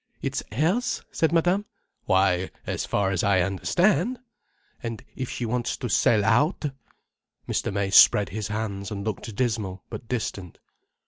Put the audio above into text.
"It's hers?" said Madame. "Why, as far as I understand—" "And if she wants to sell out—?" Mr. May spread his hands, and looked dismal, but distant.